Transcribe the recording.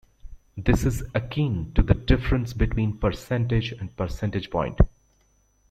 This is akin to the difference between percentage and percentage point.